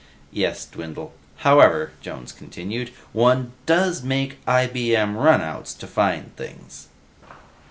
"Yes, Dwindle. However," Jones continued, "one does make IBM runouts to find things."